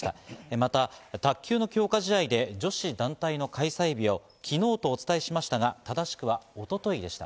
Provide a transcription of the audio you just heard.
また卓球の強化試合で女子団体の開催日を昨日とお伝えしましたが、正しくは一昨日でした。